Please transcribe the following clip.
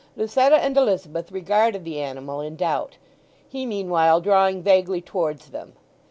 Lucetta and Elizabeth regarded the animal in doubt, he meanwhile drawing vaguely towards them.